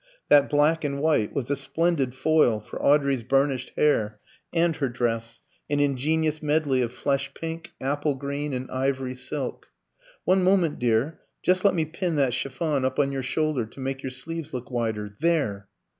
That black and white was a splendid foil for Audrey's burnished hair and her dress, an ingenious medley of flesh pink, apple green, and ivory silk. "One moment, dear; just let me pin that chiffon up on your shoulder, to make your sleeves look wider there!"